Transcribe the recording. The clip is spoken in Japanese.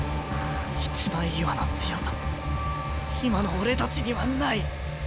一枚岩の強さ今の俺たちにはない。